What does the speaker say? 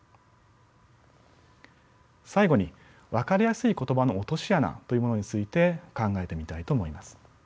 最後に分かりやすい言葉の落とし穴というものについて考えてみたいと思います。